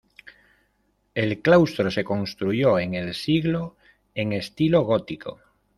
El claustro se construyó en el siglo en estilo gótico.